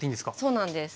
そうなんです。